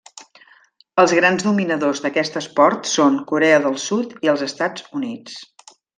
Els grans dominadors d'aquest esport són Corea del Sud i els Estats Units.